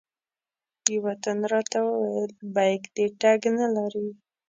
یوه تن راته وویل بیک دې ټګ نه لري.